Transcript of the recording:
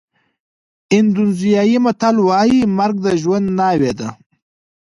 اندونېزیایي متل وایي مرګ د ژوند ناوې ده.